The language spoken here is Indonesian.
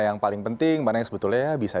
yang paling penting mana yang sebetulnya bisa